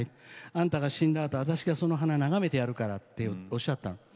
あんたが死んだあと私がその花を眺めてるからとおっしゃったの。